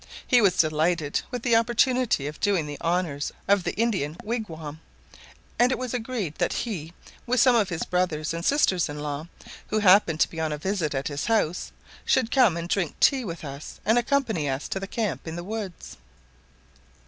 He was delighted with the opportunity of doing the honours of the Indian wigwam, and it was agreed that he, with some of his brothers and sisters in law, who happened to be on a visit at his house, should come and drink tea with us and accompany us to the camp in the woods.